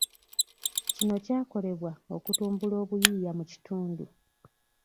Kino kyakolebwa okutumbula obuyiiya mu kitundu.